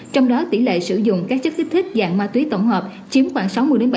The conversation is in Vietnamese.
trong đó tỷ lệ sử dụng các chất kích thích dạng ma túy tổng hợp chiếm khoảng sáu mươi bảy